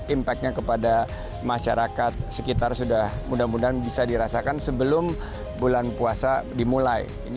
impactnya kepada masyarakat sekitar sudah mudah mudahan bisa dirasakan sebelum bulan puasa dimulai